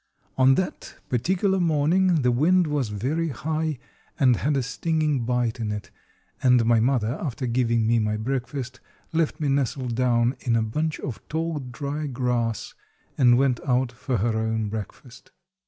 On that particular morning the wind was very high and had a stinging bite in it and my mother, after giving me my breakfast, left me nestled down in a bunch of tall, dry grass, and went out for her own breakfast.